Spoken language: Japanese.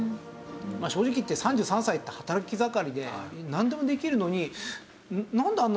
正直言って３３歳って働き盛りでなんでもできるのに。